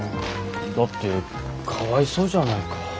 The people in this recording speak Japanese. だってかわいそうじゃないか。